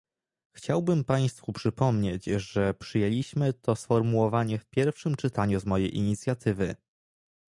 chciałbym państwu przypomnieć, że przyjęliśmy to sformułowanie w pierwszym czytaniu z mojej inicjatywy